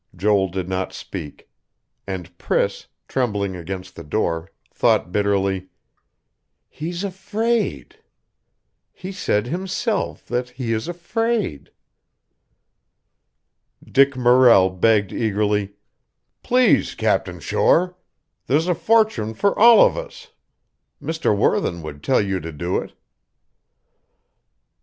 Joel did not speak; and Priss, trembling against the door, thought bitterly: "He's afraid.... He said, himself, that he is afraid...." Dick Morrell begged eagerly: "Please, Captain Shore. There's a fortune for all of us. Mr. Worthen would tell you to do it...."